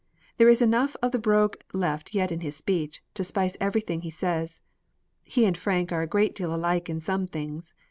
There is enough of the brogue left yet in his speech to spice everything he says. He and Frank are a great deal alike in some things.